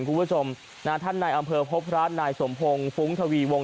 คุณผู้ชมนะท่านนายอำเภอพบพระนายสมพงศ์ฟุ้งทวีวงศ